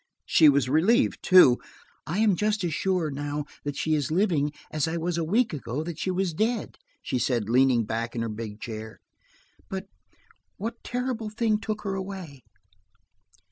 She was relieved, too. "I am just as sure, now, that she is living, as I was a week ago that she was dead," she said, leaning back in her big chair. "But what terrible thing took her away?